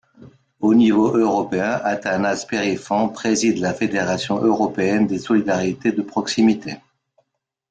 Au niveau européen, Atanase Périfan préside la Fédération européenne des solidarités de proximité.